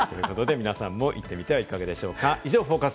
ということで、皆さんも行ってみてはいかがでしょうか。